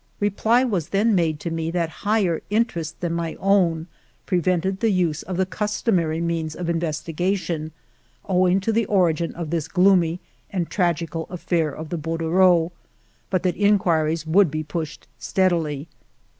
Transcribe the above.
" Reply was then made to me that higher inter ests than my own prevented the use of the cus tomary means of investigation, owing to the origin of this gloomy and tragical affair of the bordereau^ but that inquiries would be pushed steadily.